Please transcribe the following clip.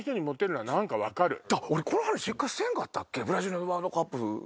俺この話一回せんかったっけ？